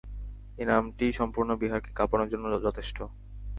এই নামটিই সম্পূর্ণ বিহারকে কাঁপানোর জন্য যথেষ্ট।